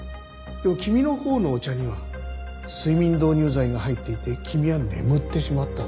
でも君のほうのお茶には睡眠導入剤が入っていて君は眠ってしまった。